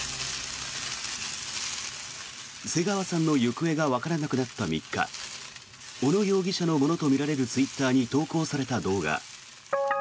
瀬川さんの行方がわからなくなった３日小野容疑者のものとみられるツイッターに投稿された動画。